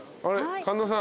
神田さん。